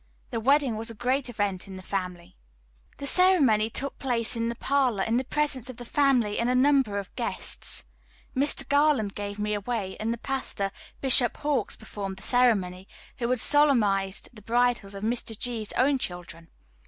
The wedding was a great event in the family. The ceremony took place in the parlor, in the presence of the family and a number of guests. Mr. Garland gave me away, and the pastor, Bishop Hawks, performed the ceremony, who had solemnized the bridals of Mr. G.'s own children.